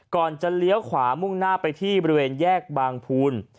ก่อนจะเลี้ยวขวามุ่งหน้าไปที่บริเวณแยกบางภูล